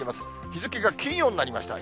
日付が金曜になりました。